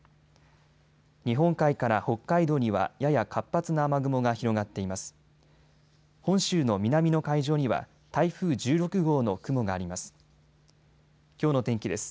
日本海から北海道にはやや活発な雨雲が広がっています。